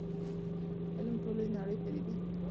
علم د ټولې نړۍ د پدیدو او خلقتونو د معرفت وسیله ده.